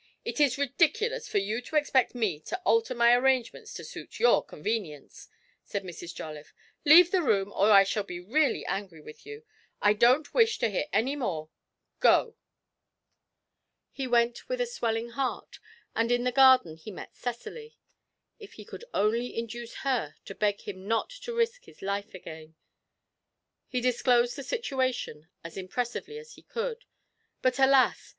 It is ridiculous for you to expect me to alter my arrangements to suit your convenience,' said Mrs. Jolliffe; 'leave the room, or I shall be really angry with you. I don't wish to hear any more go.' He went with a swelling heart, and in the garden he met Cecily. If he could only induce her to beg him not to risk his life again! He disclosed the situation as impressively as he could; but, alas!